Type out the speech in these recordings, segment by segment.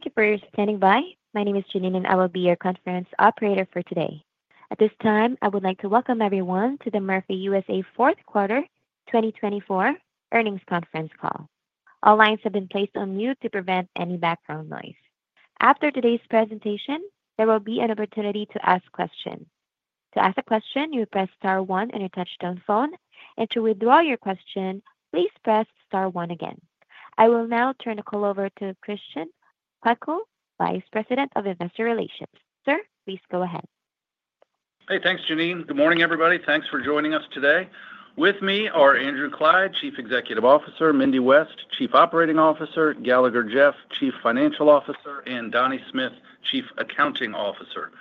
Thank you for standing by. My name is Janine, and I will be your conference operator for today. At this time, I would like to welcome everyone to the Murphy USA fourth quarter 2024 earnings conference call. All lines have been placed on mute to prevent any background noise. After today's presentation, there will be an opportunity to ask questions. To ask a question, you press star one on your touch-tone phone, and to withdraw your question, please press star one again. I will now turn the call over to Christian Pikul, Vice President of Investor Relations. Sir, please go ahead. Hey, thanks, Janine. Good morning, everybody. Thanks for joining us today. With me are Andrew Clyde, Chief Executive Officer, Mindy West, Chief Operating Officer, Galagher Jeff, Chief Financial Officer, and Donnie Smith, Chief Accounting Officer.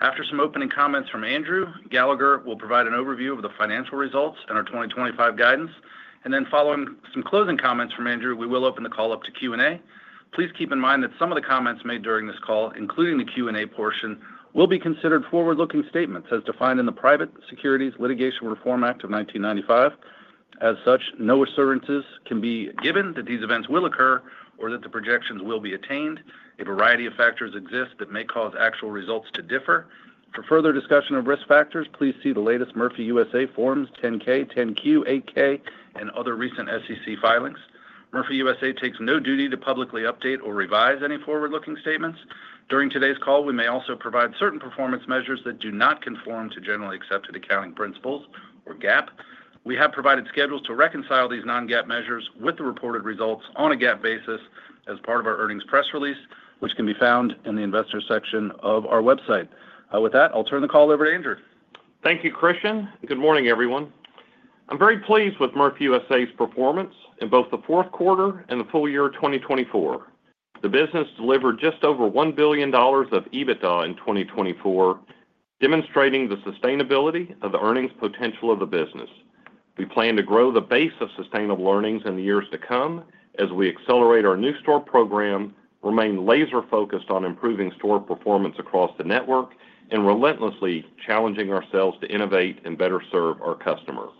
After some opening comments from Andrew, Galagher will provide an overview of the financial results and our 2025 guidance. And then, following some closing comments from Andrew, we will open the call up to Q&A. Please keep in mind that some of the comments made during this call, including the Q&A portion, will be considered forward-looking statements as defined in the Private Securities Litigation Reform Act of 1995. As such, no assurances can be given that these events will occur or that the projections will be attained. A variety of factors exist that may cause actual results to differ. For further discussion of risk factors, please see the latest Murphy USA Forms 10-K, 10-Q, 8-K, and other recent SEC filings. Murphy USA takes no duty to publicly update or revise any forward-looking statements. During today's call, we may also provide certain performance measures that do not conform to generally accepted accounting principles or GAAP. We have provided schedules to reconcile these non-GAAP measures with the reported results on a GAAP basis as part of our earnings press release, which can be found in the investor section of our website. With that, I'll turn the call over to Andrew. Thank you, Christian. Good morning, everyone. I'm very pleased with Murphy USA's performance in both the fourth quarter and the full year 2024. The business delivered just over $1 billion of EBITDA in 2024, demonstrating the sustainability of the earnings potential of the business. We plan to grow the base of sustainable earnings in the years to come as we accelerate our new store program, remain laser-focused on improving store performance across the network, and relentlessly challenge ourselves to innovate and better serve our customers.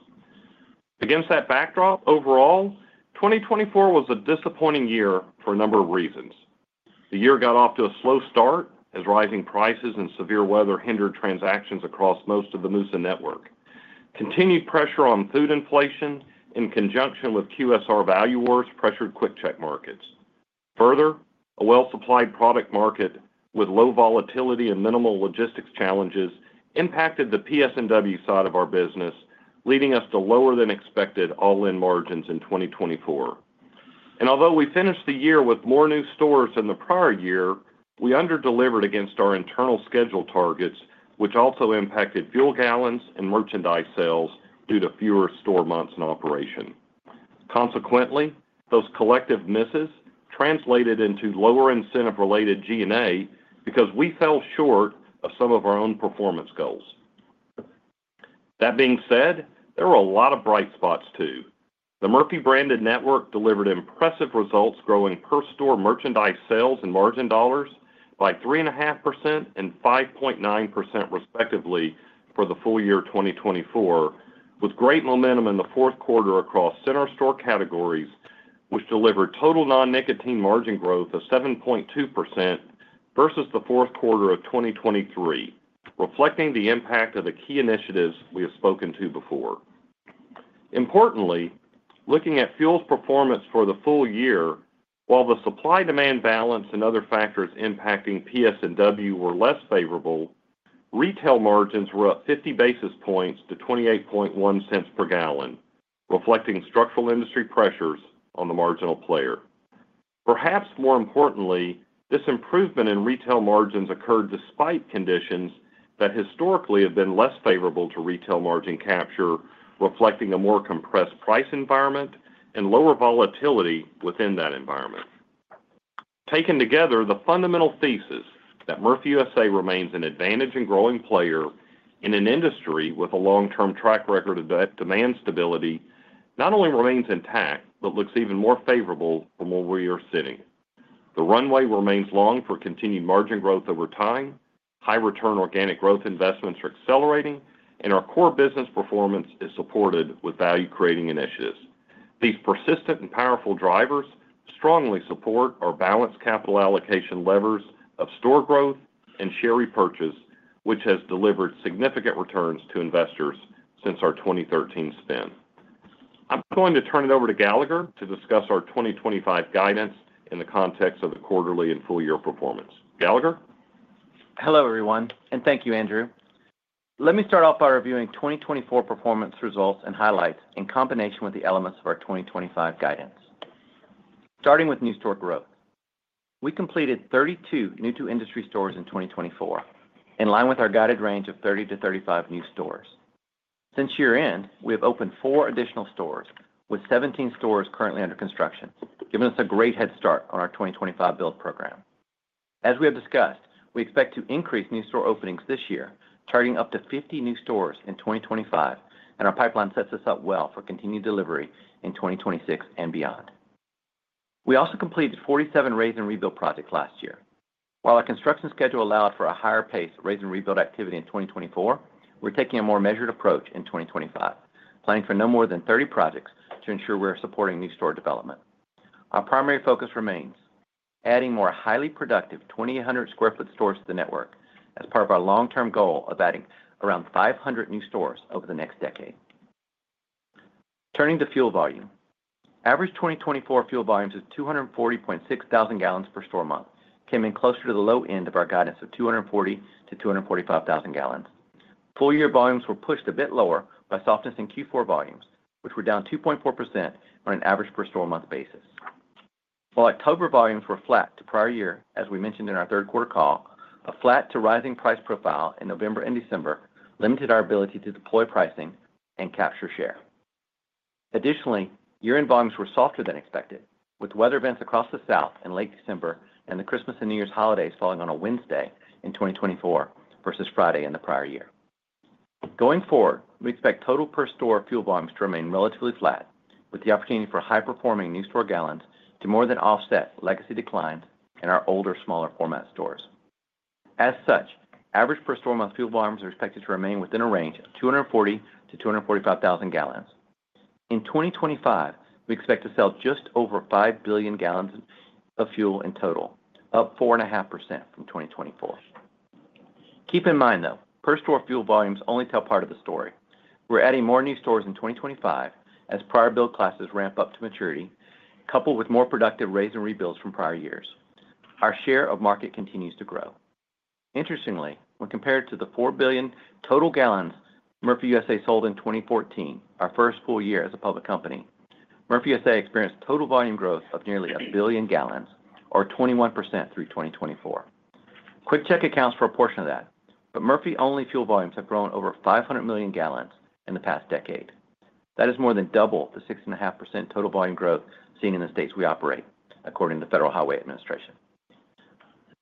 Against that backdrop, overall, 2024 was a disappointing year for a number of reasons. The year got off to a slow start as rising prices and severe weather hindered transactions across most of the Murphy's network. Continued pressure on food inflation in conjunction with QSR value wars pressured QuickChek markets. Further, a well-supplied product market with low volatility and minimal logistics challenges impacted the PS&W side of our business, leading us to lower-than-expected all-in margins in 2024, and although we finished the year with more new stores than the prior year, we underdelivered against our internal schedule targets, which also impacted fuel gallons and merchandise sales due to fewer store months in operation. Consequently, those collective misses translated into lower incentive-related G&A because we fell short of some of our own performance goals. That being said, there were a lot of bright spots, too. The Murphy-branded network delivered impressive results, growing per-store merchandise sales and margin dollars by 3.5% and 5.9%, respectively, for the full year 2024, with great momentum in the fourth quarter across center store categories, which delivered total non-nicotine margin growth of 7.2% versus the fourth quarter of 2023, reflecting the impact of the key initiatives we have spoken to before. Importantly, looking at fuel's performance for the full year, while the supply-demand balance and other factors impacting PS&W were less favorable, retail margins were up 50 basis points to $0.281 per gallon, reflecting structural industry pressures on the marginal player. Perhaps more importantly, this improvement in retail margins occurred despite conditions that historically have been less favorable to retail margin capture, reflecting a more compressed price environment and lower volatility within that environment. Taken together, the fundamental thesis that Murphy USA remains an advantage and growing player in an industry with a long-term track record of demand stability not only remains intact but looks even more favorable from where we are sitting. The runway remains long for continued margin growth over time, high-return organic growth investments are accelerating, and our core business performance is supported with value-creating initiatives. These persistent and powerful drivers strongly support our balanced capital allocation levers of store growth and share repurchase, which has delivered significant returns to investors since our 2013 spin. I'm going to turn it over to Galagher to discuss our 2025 guidance in the context of the quarterly and full-year performance. Galagher? Hello, everyone, and thank you, Andrew. Let me start off by reviewing 2024 performance results and highlights in combination with the elements of our 2025 guidance. Starting with new store growth, we completed 32 new-to-industry stores in 2024, in line with our guided range of 30-35 new stores. Since year-end, we have opened four additional stores, with 17 stores currently under construction, giving us a great head start on our 2025 build program. As we have discussed, we expect to increase new store openings this year, targeting up to 50 new stores in 2025, and our pipeline sets us up well for continued delivery in 2026 and beyond. We also completed 47 raise-and-rebuild projects last year. While our construction schedule allowed for a higher pace of raise-and-rebuild activity in 2024, we're taking a more measured approach in 2025, planning for no more than 30 projects to ensure we're supporting new store development. Our primary focus remains adding more highly productive 2,800 sq ft stores to the network as part of our long-term goal of adding around 500 new stores over the next decade. Turning to fuel volume, average 2024 fuel volumes of 240.6 thousand gallons per store month came in closer to the low end of our guidance of 240-245 thousand gallons. Full-year volumes were pushed a bit lower by softness in Q4 volumes, which were down 2.4% on an average per store month basis. While October volumes were flat to prior year, as we mentioned in our third quarter call, a flat to rising price profile in November and December limited our ability to deploy pricing and capture share. Additionally, year-end volumes were softer than expected, with weather events across the South in late December and the Christmas and New Year's holidays falling on a Wednesday in 2024 versus Friday in the prior year. Going forward, we expect total per store fuel volumes to remain relatively flat, with the opportunity for high-performing new store gallons to more than offset legacy declines in our older, smaller format stores. As such, average per store month fuel volumes are expected to remain within a range of 240 to 245 thousand gallons. In 2025, we expect to sell just over 5 billion gallons of fuel in total, up 4.5% from 2024. Keep in mind, though, per store fuel volumes only tell part of the story. We're adding more new stores in 2025 as prior build classes ramp up to maturity, coupled with more productive raise-and-rebuilds from prior years. Our share of market continues to grow. Interestingly, when compared to the 4 billion total gallons Murphy USA sold in 2014, our first full year as a public company, Murphy USA experienced total volume growth of nearly a billion gallons, or 21% through 2024. QuickChek accounts for a portion of that, but Murphy-only fuel volumes have grown over 500 million gallons in the past decade. That is more than double the 6.5% total volume growth seen in the states we operate, according to the Federal Highway Administration.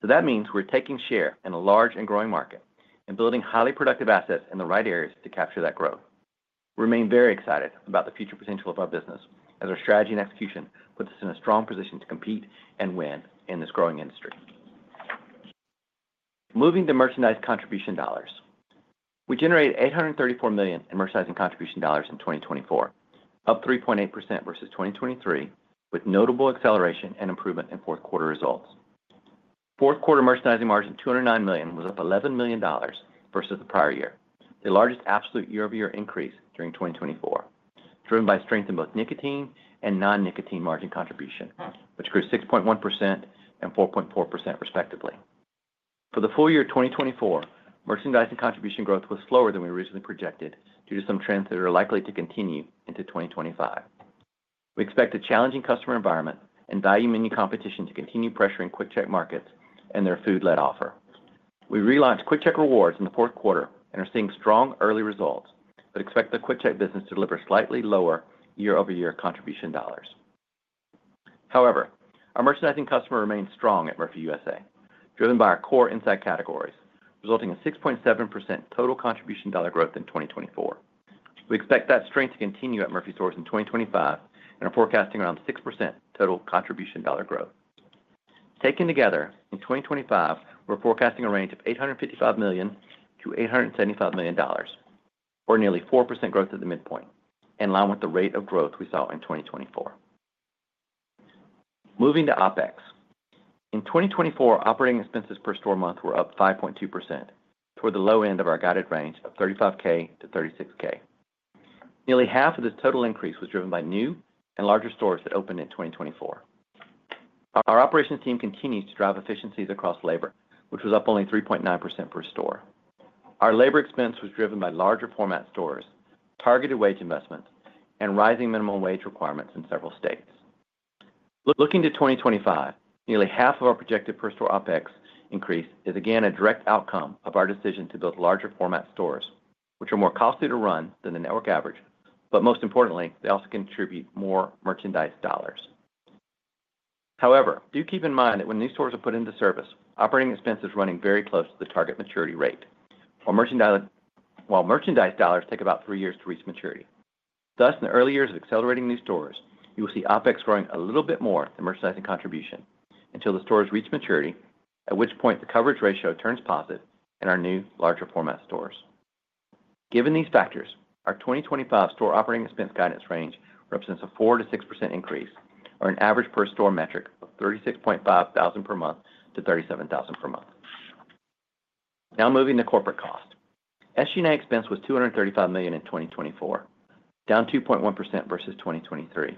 So that means we're taking share in a large and growing market and building highly productive assets in the right areas to capture that growth. We remain very excited about the future potential of our business, as our strategy and execution puts us in a strong position to compete and win in this growing industry. Moving to merchandise contribution dollars, we generated $834 million in merchandising contribution dollars in 2024, up 3.8% versus 2023, with notable acceleration and improvement in fourth quarter results. Fourth quarter merchandising margin of $209 million was up $11 million versus the prior year, the largest absolute year-over-year increase during 2024, driven by strength in both nicotine and non-nicotine margin contribution, which grew 6.1% and 4.4%, respectively. For the full year 2024, merchandising contribution growth was slower than we originally projected due to some trends that are likely to continue into 2025. We expect a challenging customer environment and value-menu competition to continue pressuring QuickChek markets and their food-led offer. We relaunched QuickChek Rewards in the fourth quarter and are seeing strong early results, but expect the QuickChek business to deliver slightly lower year-over-year contribution dollars. However, our merchandising customer remains strong at Murphy USA, driven by our core insight categories, resulting in 6.7% total contribution dollar growth in 2024. We expect that strength to continue at Murphy stores in 2025 and are forecasting around 6% total contribution dollar growth. Taken together, in 2025, we're forecasting a range of $855 million-$875 million, or nearly 4% growth at the midpoint, in line with the rate of growth we saw in 2024. Moving to OpEx, in 2024, operating expenses per store month were up 5.2%, toward the low end of our guided range of $35,000-$36,000. Nearly half of this total increase was driven by new and larger stores that opened in 2024. Our operations team continues to drive efficiencies across labor, which was up only 3.9% per store. Our labor expense was driven by larger format stores, targeted wage investments, and rising minimum wage requirements in several states. Looking to 2025, nearly half of our projected per store OpEx increase is again a direct outcome of our decision to build larger format stores, which are more costly to run than the network average, but most importantly, they also contribute more merchandise dollars. However, do keep in mind that when new stores are put into service, operating expense is running very close to the target maturity rate, while merchandise dollars take about three years to reach maturity. Thus, in the early years of accelerating new stores, you will see OpEx growing a little bit more than merchandising contribution until the stores reach maturity, at which point the coverage ratio turns positive in our new, larger format stores. Given these factors, our 2025 store operating expense guidance range represents a 4%-6% increase, or an average per store metric of $36,500-$37,000 per month. Now moving to corporate cost, SG&A expense was $235 million in 2024, down 2.1% versus 2023,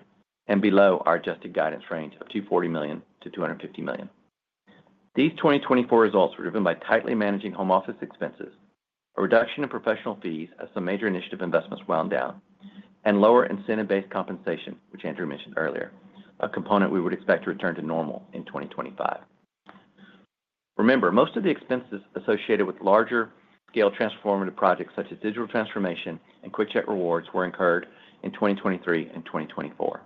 and below our adjusted guidance range of $240 million-$250 million. These 2024 results were driven by tightly managing home office expenses, a reduction in professional fees as some major initiative investments wound down, and lower incentive-based compensation, which Andrew mentioned earlier, a component we would expect to return to normal in 2025. Remember, most of the expenses associated with larger-scale transformative projects such as digital transformation and QuickChek Rewards were incurred in 2023 and 2024.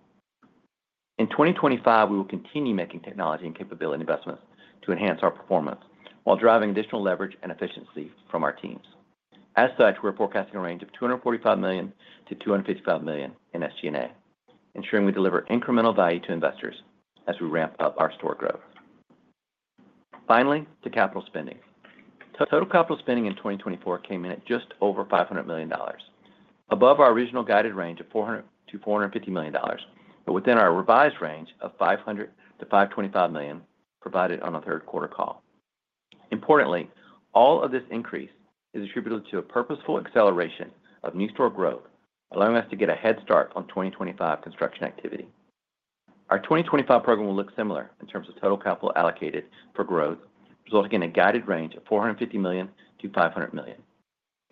In 2025, we will continue making technology and capability investments to enhance our performance while driving additional leverage and efficiency from our teams. As such, we're forecasting a range of $245 million-$255 million in SG&A, ensuring we deliver incremental value to investors as we ramp up our store growth. Finally, to capital spending. Total capital spending in 2024 came in at just over $500 million, above our original guided range of $400 million-$450 million, but within our revised range of $500 million-$525 million provided on the third quarter call. Importantly, all of this increase is attributed to a purposeful acceleration of new store growth, allowing us to get a head start on 2025 construction activity. Our 2025 program will look similar in terms of total capital allocated for growth, resulting in a guided range of $450 million-$500 million.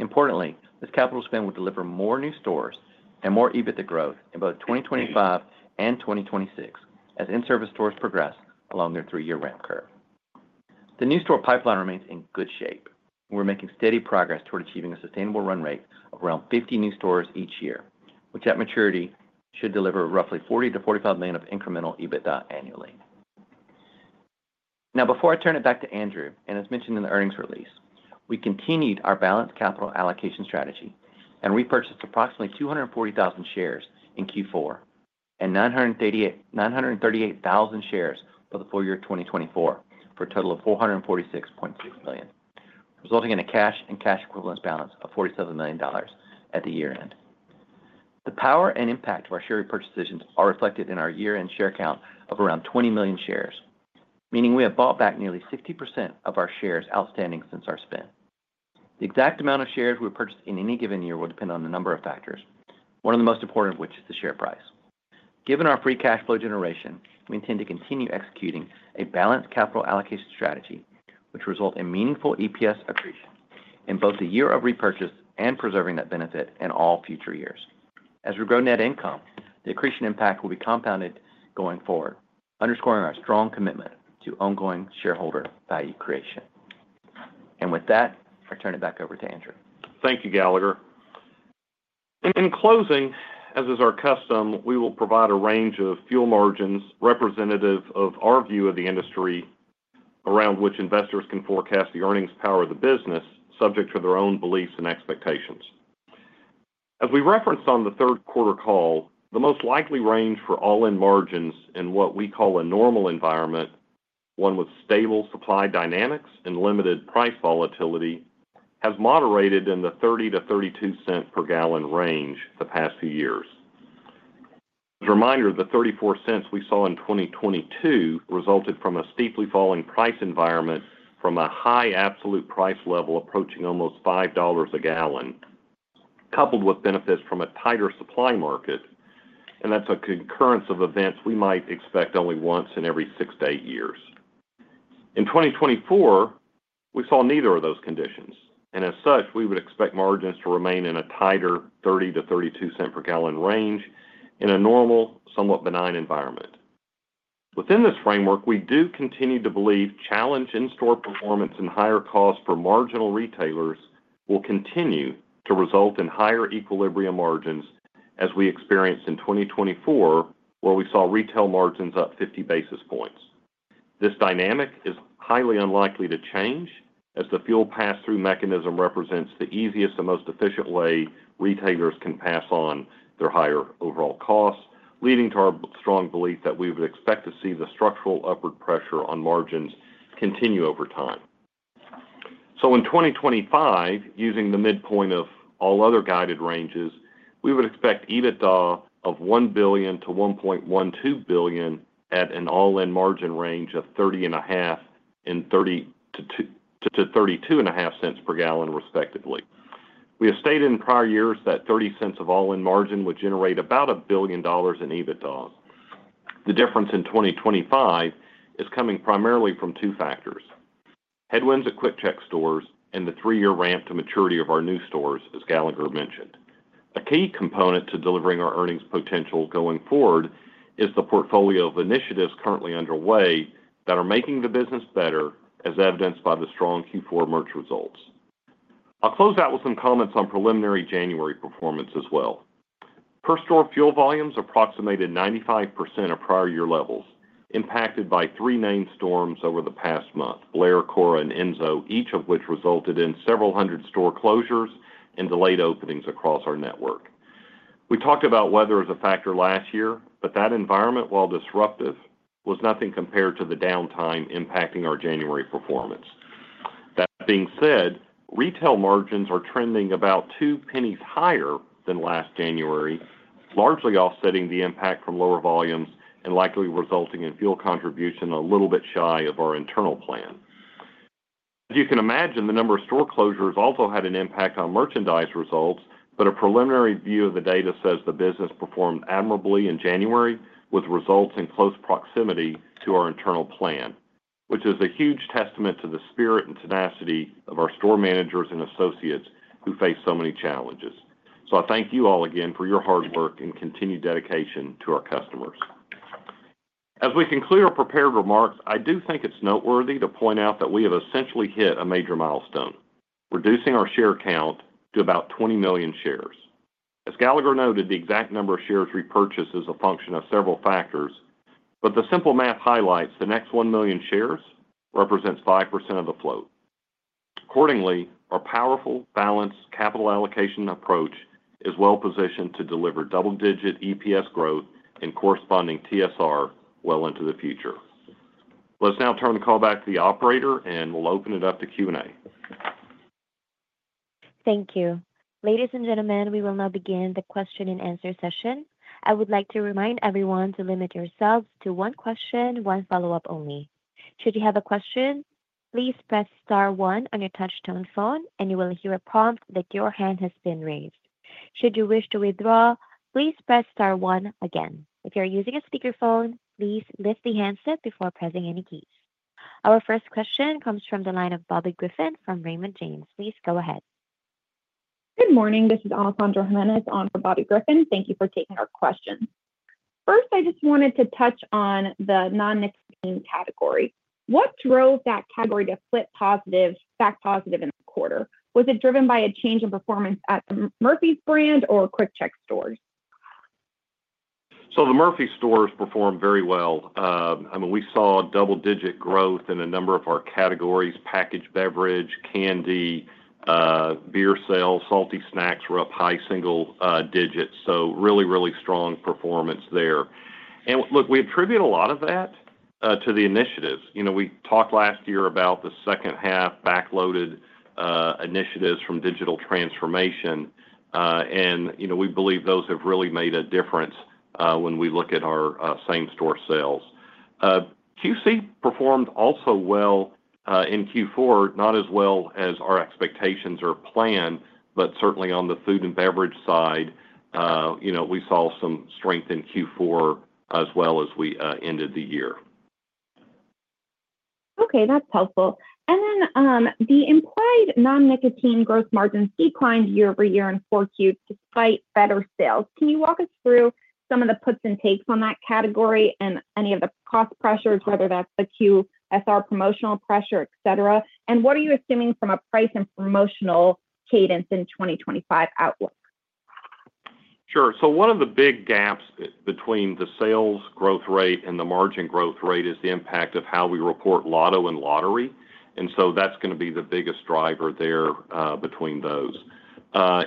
Importantly, this capital spend will deliver more new stores and more EBITDA growth in both 2025 and 2026 as in-service stores progress along their three-year ramp curve. The new store pipeline remains in good shape, and we're making steady progress toward achieving a sustainable run rate of around 50 new stores each year, which at maturity should deliver roughly 40-45 million of incremental EBITDA annually. Now, before I turn it back to Andrew, and as mentioned in the earnings release, we continued our balanced capital allocation strategy and repurchased approximately 240,000 shares in Q4 and 938,000 shares for the full year 2024, for a total of $446.6 million, resulting in a cash and cash equivalents balance of $47 million at the year-end. The power and impact of our share repurchase decisions are reflected in our year-end share count of around 20 million shares, meaning we have bought back nearly 60% of our shares outstanding since our spin. The exact amount of shares we purchased in any given year will depend on a number of factors, one of the most important of which is the share price. Given our free cash flow generation, we intend to continue executing a balanced capital allocation strategy, which will result in meaningful EPS accretion in both the year of repurchase and preserving that benefit in all future years. As we grow net income, the accretion impact will be compounded going forward, underscoring our strong commitment to ongoing shareholder value creation, and with that, I turn it back over to Andrew. Thank you, Galagher. In closing, as is our custom, we will provide a range of fuel margins representative of our view of the industry around which investors can forecast the earnings power of the business, subject to their own beliefs and expectations. As we referenced on the third quarter call, the most likely range for all-in margins in what we call a normal environment, one with stable supply dynamics and limited price volatility, has moderated in the $0.30-$0.32 per gallon range the past few years. As a reminder, the $0.34 we saw in 2022 resulted from a steeply falling price environment from a high absolute price level approaching almost $5 a gallon, coupled with benefits from a tighter supply market, and that's a concurrence of events we might expect only once in every six to eight years. In 2024, we saw neither of those conditions, and as such, we would expect margins to remain in a tighter $0.30-$0.32 per gallon range in a normal, somewhat benign environment. Within this framework, we do continue to believe challenged in-store performance and higher costs for marginal retailers will continue to result in higher equilibrium margins as we experienced in 2024, where we saw retail margins up 50 basis points. This dynamic is highly unlikely to change as the fuel pass-through mechanism represents the easiest and most efficient way retailers can pass on their higher overall costs, leading to our strong belief that we would expect to see the structural upward pressure on margins continue over time. So in 2025, using the midpoint of all other guided ranges, we would expect EBITDA of $1 billion-$1.12 billion at an all-in margin range of 30.5 and 30 to 32.5 cents per gallon, respectively. We have stated in prior years that 30 cents of all-in margin would generate about $1 billion in EBITDA. The difference in 2025 is coming primarily from two factors: headwinds at QuickChek stores and the three-year ramp to maturity of our new stores, as Galagher mentioned. A key component to delivering our earnings potential going forward is the portfolio of initiatives currently underway that are making the business better, as evidenced by the strong Q4 merch results. I'll close out with some comments on preliminary January performance as well. Per store fuel volumes approximated 95% of prior year levels, impacted by three named storms over the past month: Blair, Cora, and Enzo, each of which resulted in several hundred store closures and delayed openings across our network. We talked about weather as a factor last year, but that environment, while disruptive, was nothing compared to the downtime impacting our January performance. That being said, retail margins are trending about $0.02 higher than last January, largely offsetting the impact from lower volumes and likely resulting in fuel contribution a little bit shy of our internal plan. As you can imagine, the number of store closures also had an impact on merchandise results, but a preliminary view of the data says the business performed admirably in January, with results in close proximity to our internal plan, which is a huge testament to the spirit and tenacity of our store managers and associates who face so many challenges. So I thank you all again for your hard work and continued dedication to our customers. As we conclude our prepared remarks, I do think it's noteworthy to point out that we have essentially hit a major milestone: reducing our share count to about 20 million shares. As Galagher noted, the exact number of shares repurchased is a function of several factors, but the simple math highlights the next 1 million shares represents 5% of the float. Accordingly, our powerful balanced capital allocation approach is well-positioned to deliver double-digit EPS growth and corresponding TSR well into the future. Let's now turn the call back to the operator, and we'll open it up to Q&A. Thank you. Ladies and gentlemen, we will now begin the question-and-answer session. I would like to remind everyone to limit yourselves to one question, one follow-up only. Should you have a question, please press Star 1 on your touch-tone phone, and you will hear a prompt that your hand has been raised. Should you wish to withdraw, please press Star 1 again. If you're using a speakerphone, please lift the handset before pressing any keys. Our first question comes from the line of Bobby Griffin from Raymond James. Please go ahead. Good morning. This is Alessandra Jimenez on for Bobby Griffin. Thank you for taking our questions. First, I just wanted to touch on the noncombustible nicotine category. What drove that category to flip back positive in the quarter? Was it driven by a change in performance at the Murphy's brand or QuickChek stores? So the Murphy's stores performed very well. I mean, we saw double-digit growth in a number of our categories: packaged beverage, candy, beer sales, salty snacks were up high single digits. So really, really strong performance there. And look, we attribute a lot of that to the initiatives. We talked last year about the second-half backloaded initiatives from digital transformation, and we believe those have really made a difference when we look at our same-store sales. QC performed also well in Q4, not as well as our expectations or plan, but certainly on the food and beverage side, we saw some strength in Q4 as well as we ended the year. Okay. That's helpful. And then the implied non-nicotine segment growth margins declined year-over-year in 4Q despite better sales. Can you walk us through some of the puts and takes on that category and any of the cost pressures, whether that's the QSR promotional pressure, et cetera? And what are you assuming from a price and promotional cadence in 2025 outlook? Sure. So one of the big gaps between the sales growth rate and the margin growth rate is the impact of how we report lotto and lottery. And so that's going to be the biggest driver there between those.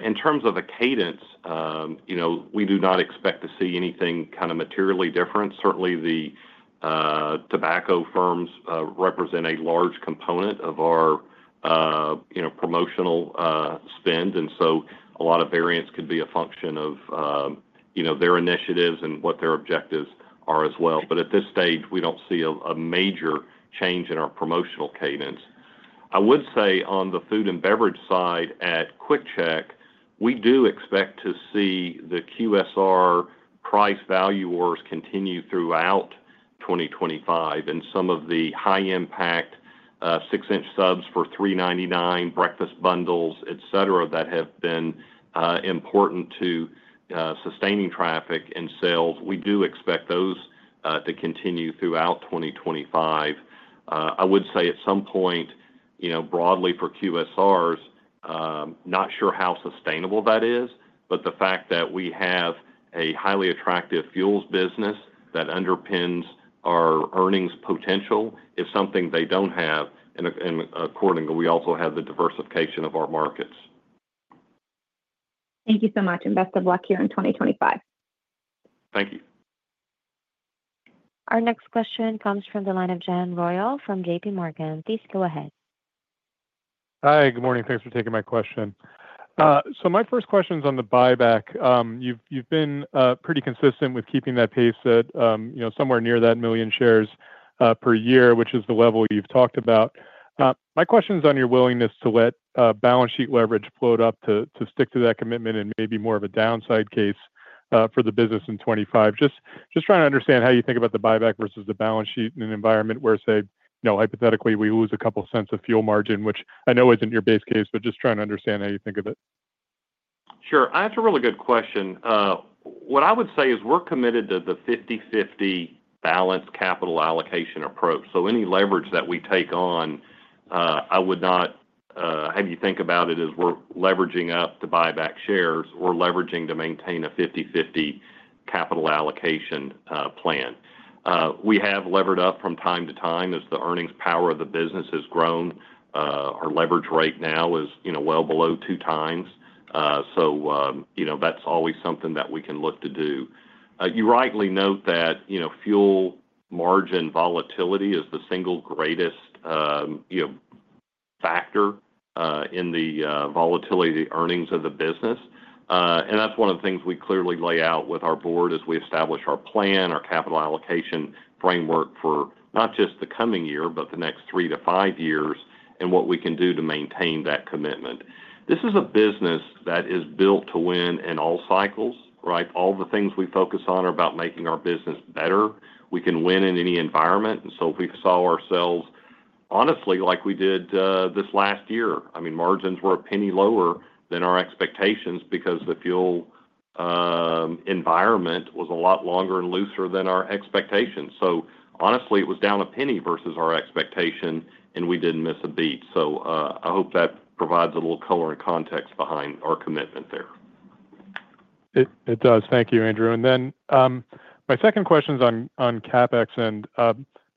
In terms of the cadence, we do not expect to see anything kind of materially different. Certainly, the tobacco firms represent a large component of our promotional spend, and so a lot of variance could be a function of their initiatives and what their objectives are as well. But at this stage, we don't see a major change in our promotional cadence. I would say on the food and beverage side at QuickChek, we do expect to see the QSR price value wars continue throughout 2025. And some of the high-impact six-inch subs for $3.99, breakfast bundles, et cetera, that have been important to sustaining traffic and sales, we do expect those to continue throughout 2025. I would say at some point, broadly for QSRs, not sure how sustainable that is, but the fact that we have a highly attractive fuels business that underpins our earnings potential is something they don't have. And accordingly, we also have the diversification of our markets. Thank you so much, and best of luck here in 2025. Thank you. Our next question comes from the line of John Royall from JPMorgan. Please go ahead. Hi. Good morning. Thanks for taking my question. So my first question is on the buyback. You've been pretty consistent with keeping that pace at somewhere near that million shares per year, which is the level you've talked about. My question is on your willingness to let balance sheet leverage float up to stick to that commitment and maybe more of a downside case for the business in 2025. Just trying to understand how you think about the buyback versus the balance sheet in an environment where, say, hypothetically, we lose a couple cents of fuel margin, which I know isn't your base case, but just trying to understand how you think of it. Sure. That's a really good question. What I would say is we're committed to the 50/50 balanced capital allocation approach. So any leverage that we take on, I would not have you think about it as we're leveraging up to buy back shares or leveraging to maintain a 50/50 capital allocation plan. We have levered up from time to time as the earnings power of the business has grown. Our leverage rate now is well below two times. So that's always something that we can look to do. You rightly note that fuel margin volatility is the single greatest factor in the volatility of the earnings of the business. And that's one of the things we clearly lay out with our board as we establish our plan, our capital allocation framework for not just the coming year, but the next three to five years and what we can do to maintain that commitment. This is a business that is built to win in all cycles, right? All the things we focus on are about making our business better. We can win in any environment. And so we saw ourselves, honestly, like we did this last year. I mean, margins were $0.01 lower than our expectations because the fuel environment was a lot longer and looser than our expectations. So honestly, it was down $0.01 versus our expectation, and we didn't miss a beat. So I hope that provides a little color and context behind our commitment there. It does. Thank you, Andrew. And then my second question is on CapEx, and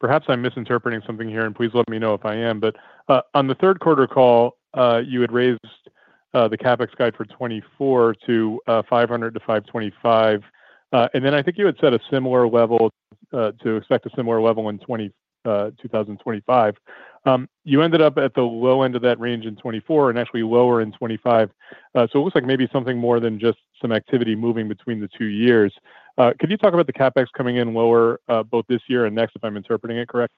perhaps I'm misinterpreting something here, and please let me know if I am. But on the third quarter call, you had raised the CapEx guide for 2024 to 500-525. And then I think you had said a similar level to expect a similar level in 2025. You ended up at the low end of that range in 2024 and actually lower in 2025. So it looks like maybe something more than just some activity moving between the two years. Could you talk about the CapEx coming in lower both this year and next, if I'm interpreting it correct?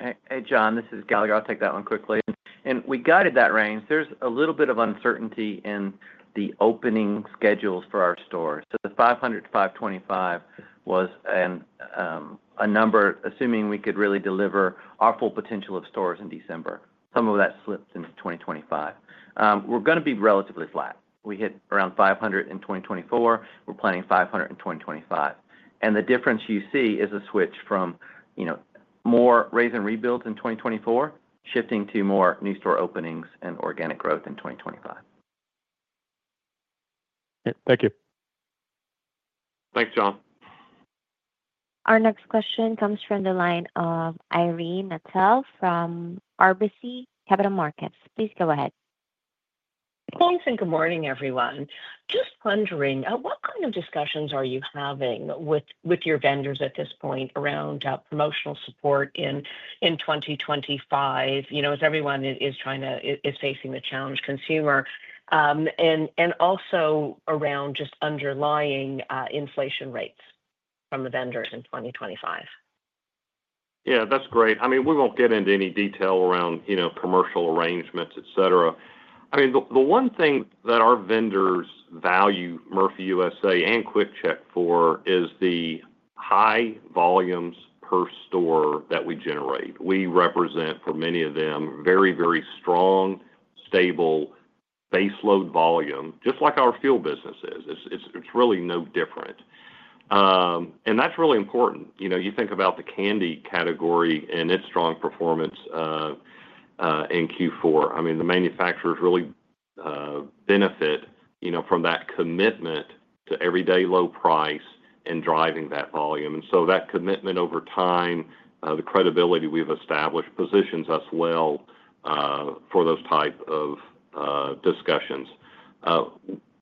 Hey, John, this is Galagher. I'll take that one quickly. And we guided that range. There's a little bit of uncertainty in the opening schedules for our stores. So the 500-525 was a number, assuming we could really deliver our full potential of stores in December. Some of that slipped into 2025. We're going to be relatively flat. We hit around 500 in 2024. We're planning 500 in 2025. And the difference you see is a switch from more raise-and-rebuilds in 2024 shifting to more new store openings and organic growth in 2025. Thank you. Thanks, John. Our next question comes from the line of Irene Nattel from RBC Capital Markets. Please go ahead. Thanks, and good morning, everyone. Just wondering, what kind of discussions are you having with your vendors at this point around promotional support in 2025? As everyone is trying to face the consumer challenge and also around just underlying inflation rates from the vendors in 2025. Yeah, that's great. I mean, we won't get into any detail around commercial arrangements, et cetera. I mean, the one thing that our vendors value Murphy USA and QuickChek for is the high volumes per store that we generate. We represent, for many of them, very, very strong, stable base load volume, just like our fuel business is. It's really no different. And that's really important. You think about the candy category and its strong performance in Q4. I mean, the manufacturers really benefit from that commitment to everyday low price and driving that volume. And so that commitment over time, the credibility we've established positions us well for those types of discussions.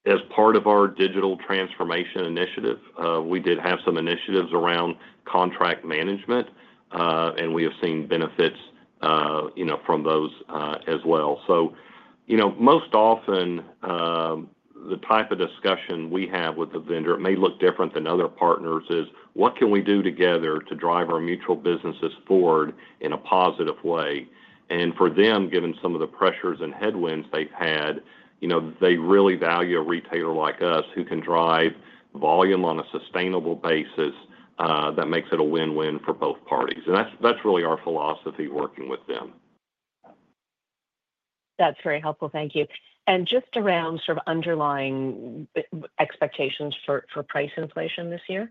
As part of our digital transformation initiative, we did have some initiatives around contract management, and we have seen benefits from those as well. Most often, the type of discussion we have with the vendor, it may look different than other partners, is what can we do together to drive our mutual businesses forward in a positive way. For them, given some of the pressures and headwinds they've had, they really value a retailer like us who can drive volume on a sustainable basis that makes it a win-win for both parties. That's really our philosophy working with them. That's very helpful. Thank you. And just around sort of underlying expectations for price inflation this year?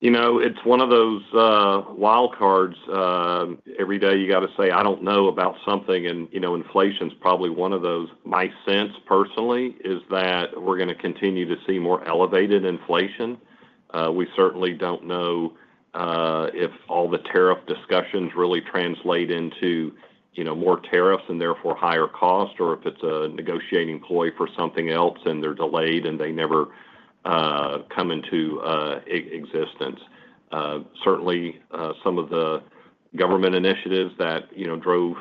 It's one of those wild cards. Every day you got to say, "I don't know about something," and inflation's probably one of those. My sense personally is that we're going to continue to see more elevated inflation. We certainly don't know if all the tariff discussions really translate into more tariffs and therefore higher cost, or if it's a negotiating ploy for something else and they're delayed and they never come into existence. Certainly, some of the government initiatives that drove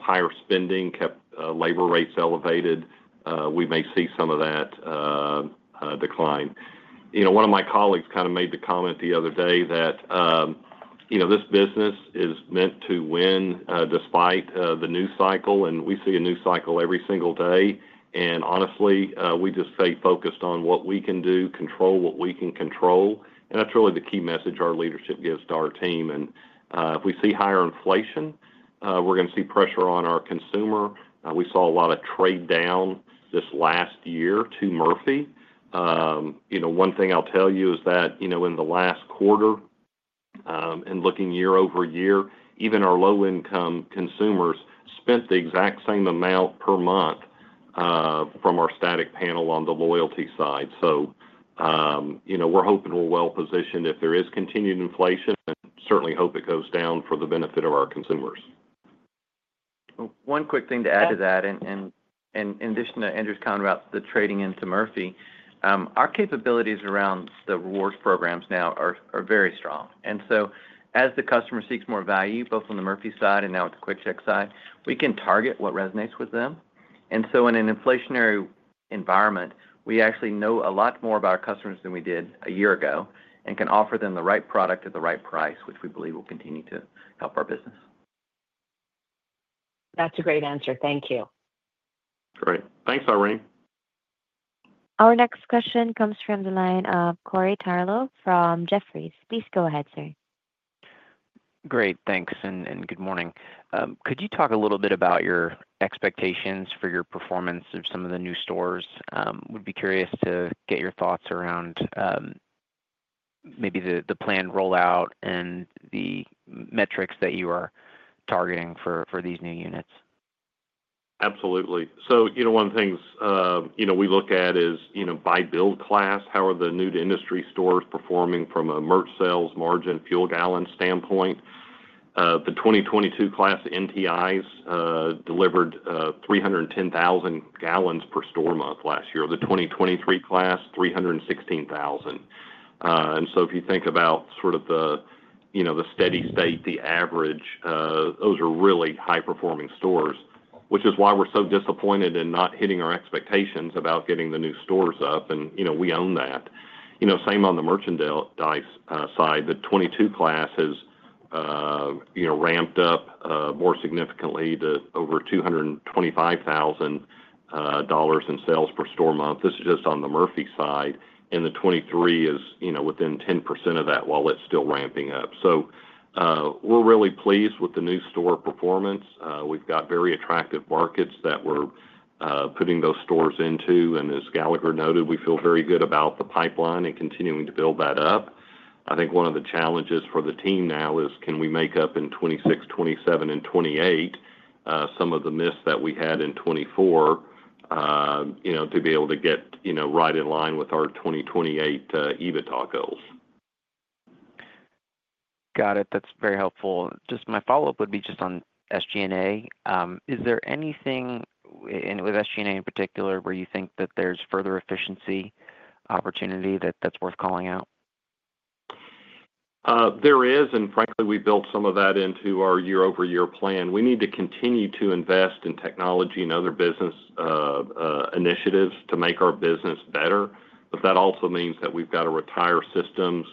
higher spending kept labor rates elevated. We may see some of that decline. One of my colleagues kind of made the comment the other day that this business is meant to win despite the news cycle, and we see a news cycle every single day, and honestly, we just stay focused on what we can do, control what we can control. That's really the key message our leadership gives to our team. If we see higher inflation, we're going to see pressure on our consumer. We saw a lot of trade down this last year to Murphy. One thing I'll tell you is that in the last quarter, and looking year over year, even our low-income consumers spent the exact same amount per month from our static panel on the loyalty side. We're hoping we're well positioned if there is continued inflation, and certainly hope it goes down for the benefit of our consumers. One quick thing to add to that. And in addition to Andrew's comment about the trading into Murphy, our capabilities around the rewards programs now are very strong. And so as the customer seeks more value, both on the Murphy side and now with the QuickChek side, we can target what resonates with them. And so in an inflationary environment, we actually know a lot more about our customers than we did a year ago and can offer them the right product at the right price, which we believe will continue to help our business. That's a great answer. Thank you. Great. Thanks, Irene. Our next question comes from the line of Corey Tarlowe from Jefferies. Please go ahead, sir. Great. Thanks, and good morning. Could you talk a little bit about your expectations for your performance of some of the new stores? Would be curious to get your thoughts around maybe the planned rollout and the metrics that you are targeting for these new units? Absolutely. So one of the things we look at is by build class, how are the new-to-industry stores performing from a merch sales margin fuel gallon standpoint? The 2022 class NTIs delivered 310,000 gallons per store month last year. The 2023 class, 316,000. And so if you think about sort of the steady state, the average, those are really high-performing stores, which is why we're so disappointed in not hitting our expectations about getting the new stores up, and we own that. Same on the merchandise side. The 2022 class has ramped up more significantly to over $225,000 in sales per store month. This is just on the Murphy side. And the 2023 is within 10% of that while it's still ramping up. So we're really pleased with the new store performance. We've got very attractive markets that we're putting those stores into. And as Galagher noted, we feel very good about the pipeline and continuing to build that up. I think one of the challenges for the team now is, can we make up in 2026, 2027, and 2028 some of the miss that we had in 2024 to be able to get right in line with our 2028 EBITDA goals? Got it. That's very helpful. Just my follow-up would be just on SG&A. Is there anything with SG&A in particular where you think that there's further efficiency opportunity that's worth calling out? There is, and frankly, we built some of that into our year-over-year plan. We need to continue to invest in technology and other business initiatives to make our business better. But that also means that we've got to retire systems,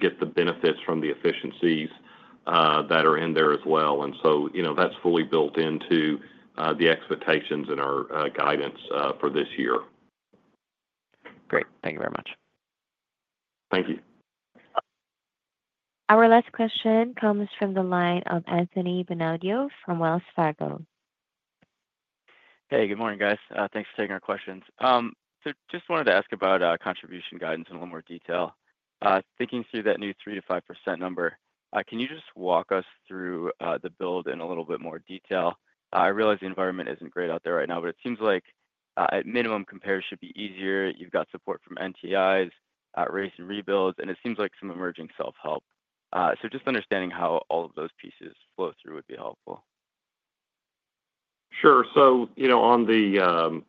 get the benefits from the efficiencies that are in there as well. And so that's fully built into the expectations and our guidance for this year. Great. Thank you very much. Thank you. Our last question comes from the line of Anthony Bonadio from Wells Fargo. Hey, good morning, guys. Thanks for taking our questions. So just wanted to ask about contribution guidance in a little more detail. Thinking through that new 3%-5% number, can you just walk us through the build in a little bit more detail? I realize the environment isn't great out there right now, but it seems like at minimum compare should be easier. You've got support from NTIs, raise and rebuilds, and it seems like some emerging self-help. So just understanding how all of those pieces flow through would be helpful. Sure. So on the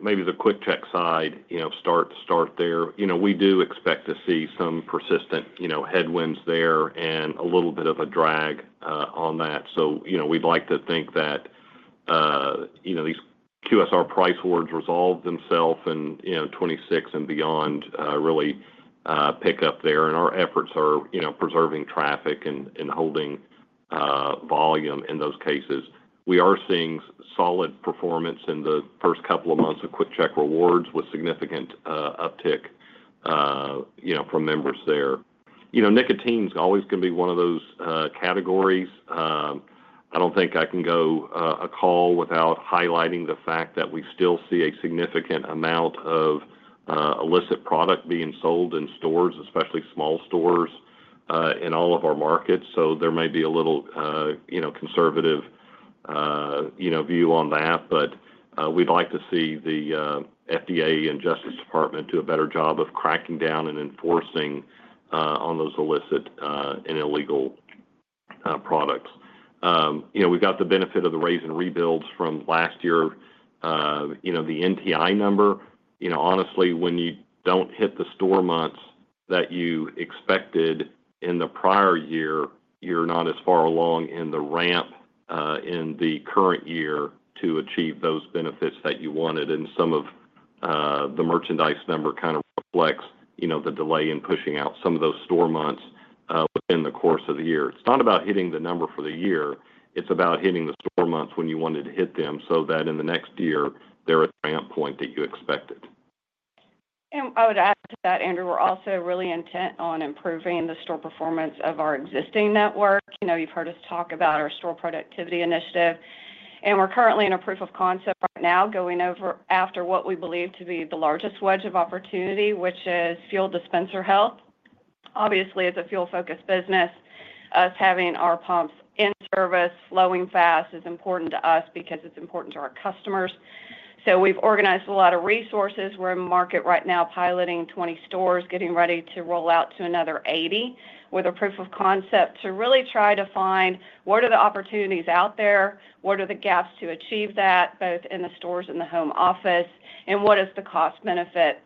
maybe the QuickChek side, start there. We do expect to see some persistent headwinds there and a little bit of a drag on that. So we'd like to think that these QSR price wars resolve themselves in 2026 and beyond, really pick up there. And our efforts are preserving traffic and holding volume in those cases. We are seeing solid performance in the first couple of months of QuickChek Rewards with significant uptick from members there. Nicotine's always going to be one of those categories. I don't think I can go a call without highlighting the fact that we still see a significant amount of illicit product being sold in stores, especially small stores in all of our markets. So there may be a little conservative view on that, but we'd like to see the FDA and Justice Department do a better job of cracking down and enforcing on those illicit and illegal products. We've got the benefit of the raise and rebuilds from last year. The NTI number, honestly, when you don't hit the store months that you expected in the prior year, you're not as far along in the ramp in the current year to achieve those benefits that you wanted. And some of the merchandise number kind of reflects the delay in pushing out some of those store months within the course of the year. It's not about hitting the number for the year. It's about hitting the store months when you wanted to hit them so that in the next year, they're at the ramp point that you expected. I would add to that, Andrew. We're also really intent on improving the store performance of our existing network. You've heard us talk about our store productivity initiative. We're currently in a proof of concept right now going over after what we believe to be the largest wedge of opportunity, which is fuel dispenser health. Obviously, as a fuel-focused business, us having our pumps in service, flowing fast is important to us because it's important to our customers. We've organized a lot of resources. We're in the market right now piloting 20 stores, getting ready to roll out to another 80 with a proof of concept to really try to find what are the opportunities out there, what are the gaps to achieve that both in the stores and the home office, and what is the cost benefit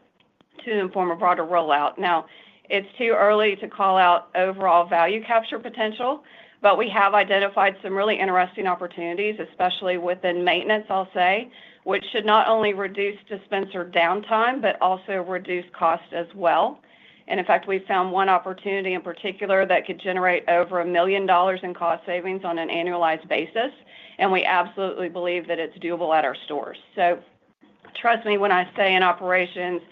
to inform a broader rollout. Now, it's too early to call out overall value capture potential, but we have identified some really interesting opportunities, especially within maintenance, I'll say, which should not only reduce dispenser downtime, but also reduce cost as well. And in fact, we found one opportunity in particular that could generate over $1 million in cost savings on an annualized basis. And we absolutely believe that it's doable at our stores. So trust me when I say in operations,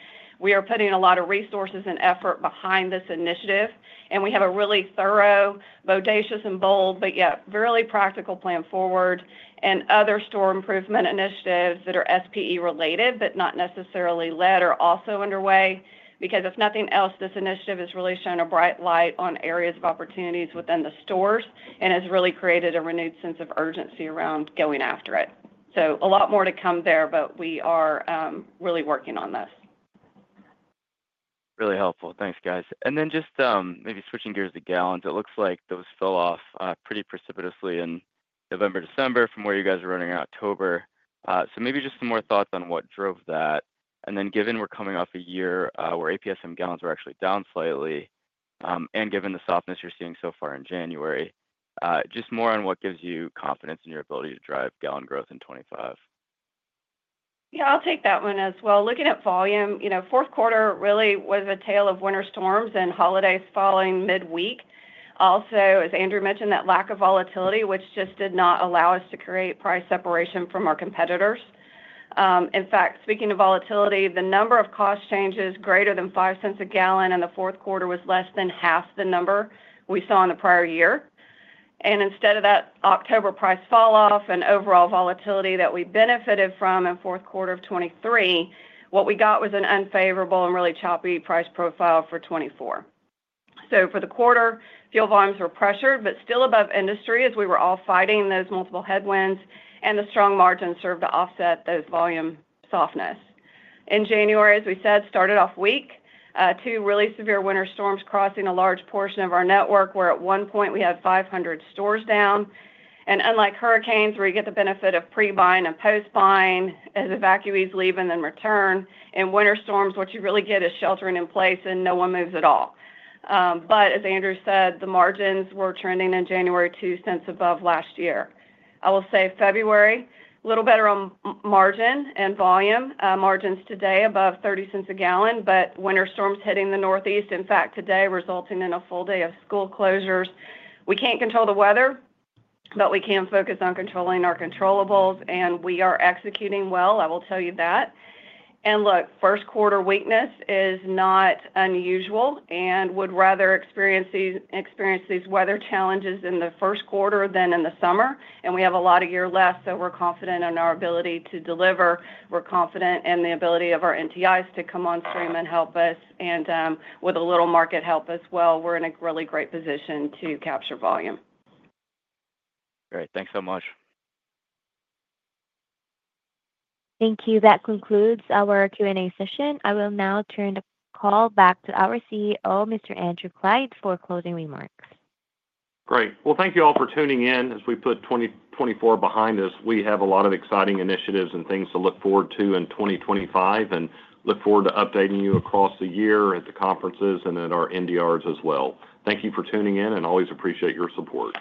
we are putting a lot of resources and effort behind this initiative. And we have a really thorough, bodacious, and bold, but yet really practical plan forward and other store improvement initiatives that are SPE-related, but not necessarily led, are also underway. Because if nothing else, this initiative has really shone a bright light on areas of opportunities within the stores and has really created a renewed sense of urgency around going after it. So a lot more to come there, but we are really working on this. Really helpful. Thanks, guys. And then just maybe switching gears to gallons, it looks like those fell off pretty precipitously in November, December from where you guys were running in October. So maybe just some more thoughts on what drove that. And then given we're coming off a year where APSM gallons were actually down slightly, and given the softness you're seeing so far in January, just more on what gives you confidence in your ability to drive gallon growth in 2025? Yeah, I'll take that one as well. Looking at volume, fourth quarter really was a tale of winter storms and holidays following midweek. Also, as Andrew mentioned, that lack of volatility, which just did not allow us to create price separation from our competitors. In fact, speaking of volatility, the number of cost changes greater than 5 cents a gallon in the fourth quarter was less than half the number we saw in the prior year. And instead of that October price falloff and overall volatility that we benefited from in fourth quarter of 2023, what we got was an unfavorable and really choppy price profile for 2024. So for the quarter, fuel volumes were pressured, but still above industry as we were all fighting those multiple headwinds, and the strong margins served to offset those volume softness. In January, as we said, started off week two really severe winter storms crossing a large portion of our network where at one point we had 500 stores down. And unlike hurricanes where you get the benefit of pre-buying and post-buying as evacuees leave and then return, in winter storms, what you really get is sheltering in place and no one moves at all. But as Andrew said, the margins were trending in January $0.02 above last year. I will say February, a little better on margin and volume. Margins today above $0.30 a gallon, but winter storms hitting the Northeast, in fact today resulting in a full day of school closures. We can't control the weather, but we can focus on controlling our controllables, and we are executing well. I will tell you that. And look, first quarter weakness is not unusual and would rather experience these weather challenges in the first quarter than in the summer. And we have a lot of year left, so we're confident in our ability to deliver. We're confident in the ability of our NTIs to come on stream and help us. And with a little market help as well, we're in a really great position to capture volume. Great. Thanks so much. Thank you. That concludes our Q&A session. I will now turn the call back to our CEO, Mr. Andrew Clyde, for closing remarks. Great. Well, thank you all for tuning in. As we put 2024 behind us, we have a lot of exciting initiatives and things to look forward to in 2025 and look forward to updating you across the year at the conferences and at our NDRs as well. Thank you for tuning in and always appreciate your support.